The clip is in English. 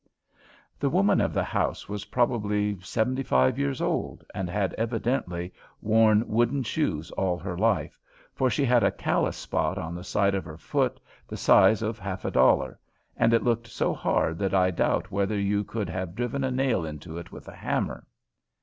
The woman of the house was probably seventy five years old and had evidently worn wooden shoes all her life, for she had a callous spot on the side of her foot the size of half a dollar, and it looked so hard that I doubt whether you could have driven a nail into it with a hammer.